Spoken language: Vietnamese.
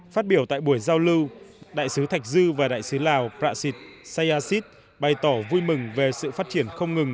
phát biểu tại buổi giao lưu đại sứ thạch dư và đại sứ lào brasit sayashi bày tỏ vui mừng về sự phát triển không ngừng